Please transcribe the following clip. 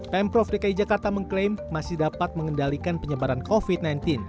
pemprov dki jakarta mengklaim masih dapat mengendalikan penyebaran covid sembilan belas